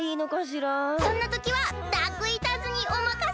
そんなときはダークイーターズにおまかせ！